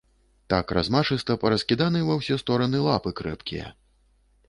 Так размашыста параскіданы ва ўсе стораны лапы крэпкія.